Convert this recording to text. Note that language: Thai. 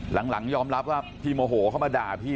หลังยอมรับว่าพี่โมโหเข้ามาด่าพี่